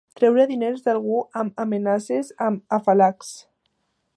Treure diners d'algú amb amenaces, amb afalacs.